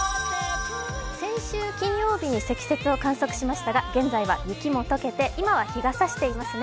先週金曜日に積雪を観測しましたが現在は雪も解けて、今は日がさしていますね。